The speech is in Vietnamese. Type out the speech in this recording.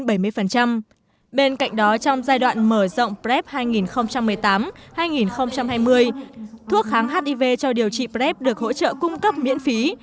bên cạnh đó trong giai đoạn mở rộng prep hai nghìn một mươi tám hai nghìn hai mươi thuốc kháng hiv cho điều trị prep được hỗ trợ cung cấp miễn phí